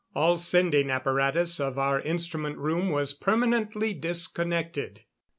All sending apparatus of our instrument room was permanently disconnected.